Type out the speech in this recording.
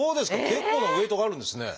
結構なウエイトがあるんですね。